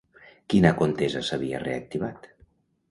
Quina contesa s'havia reactivat?